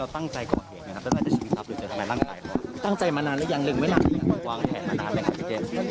ตั้งใจมานานแล้วยังลึงไว้นอกถึงวางแขกมานานแหละคะพี่เจมส์